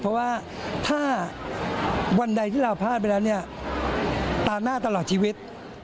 เพราะว่าถ้าวันใดที่เราพลาดไปแล้วเนี่ยตาหน้าตลอดชีวิต